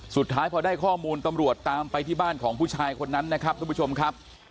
สุดท้ายพอได้ข้อมูลตำรวจตามไปที่บ้านของผู้ชายคนนั้นนะครับทุกผู้ชมครับ